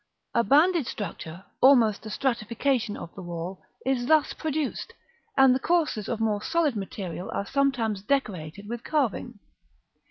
A banded structure, almost a stratification of the wall, is thus produced; and the courses of more solid material are sometimes decorated with carving.